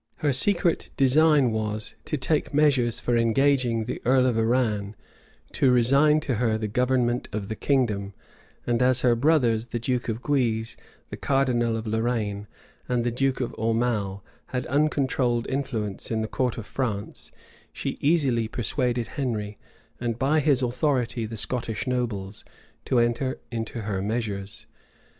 Her secret design was, to take measures for engaging the earl of Arran to resign to her the government of the kingdom; and as her brothers, the duke of Guise, the cardinal of Lorraine, and the duke of Aumale, had uncontrolled influence in the court of France, she easily persuaded Henry, and by his authority the Scottish nobles, to enter into her measures.